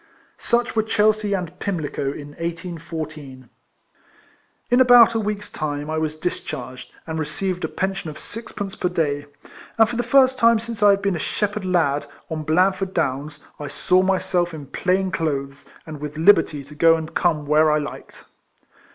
Such were Chelsea and Pimlico in 1814. In about a week's time I was discharged, and received a pension of sixpence per day ; and, for the first time since I had been a shepherd lad on Blandford Downs, I saw myself in plain clothes, and with liberty to go and come where I liked.